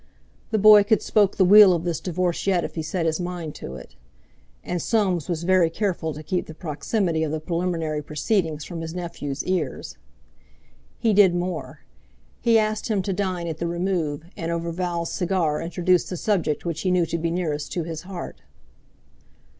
The boy could spoke the wheel of this divorce yet if he set his mind to it. And Soames was very careful to keep the proximity of the preliminary proceedings from his nephew's ears. He did more. He asked him to dine at the Remove, and over Val's cigar introduced the subject which he knew to be nearest to his heart.